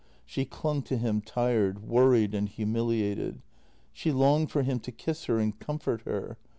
She clung to him, tired, worried, and humiliated. She longed for him to kiss her and comfort her.